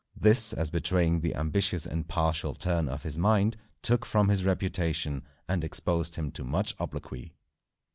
This, as betraying the ambitious and partial turn of his mind, took from his reputation and exposed him to much obloquy.